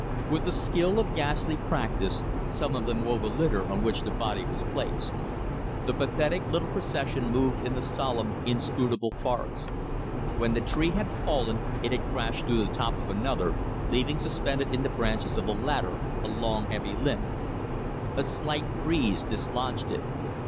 With the skill of ghastly practice some of them wove a litter on which the body was placed. The pathetic little procession moved in the solemn, inscrutable forest. When the tree had fallen it had crashed through the top of another, leaving suspended in the branches of the latter a long heavy limb. A slight breeze dislodged it.